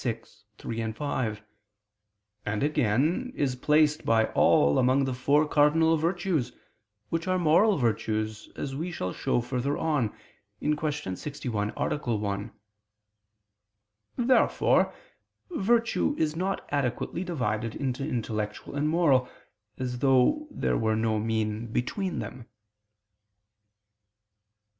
vi, 3, 5); and again is placed by all among the four cardinal virtues, which are moral virtues, as we shall show further on (Q. 61, A. 1). Therefore virtue is not adequately divided into intellectual and moral, as though there were no mean between them.